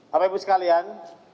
bapak ibu sekalian